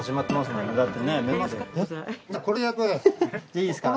いいですか？